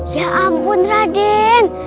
ya ampun raden